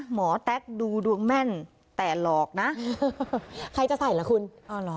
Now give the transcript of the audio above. แต๊กดูดวงแม่นแต่หลอกนะใครจะใส่ล่ะคุณอ๋อเหรอ